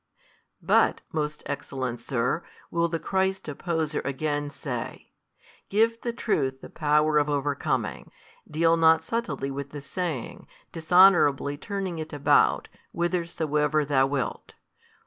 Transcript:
But, most excellent sir, will the Christ opposer again say, give the truth the power of overcoming: deal not subtilly with the saying, dishonourably turning it about, whithersoever thou wilt.